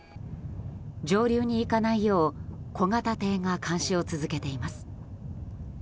上流に行かないよう小型艇が監視を続けています。